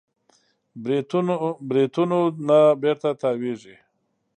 بریتونونه بېرته تاوېږي.